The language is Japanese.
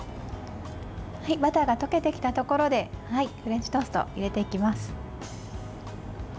バターが溶けてきたところでフレンチトーストを入れていきます。